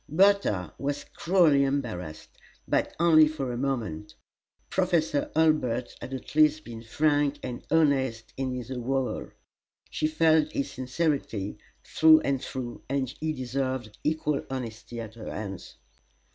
Bertha was cruelly embarrassed, but only for a moment. Professor Hurlbut had at least been frank and honest in his avowal she felt his sincerity through and through and he deserved equal honesty at her hands.